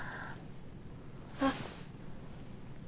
あっ。